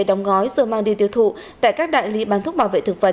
đóng gói rồi mang đi tiêu thụ tại các đại lý bán thuốc bảo vệ thực vật